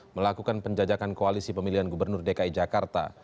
melakukan penjajakan koalisi pemilihan gubernur dki jakarta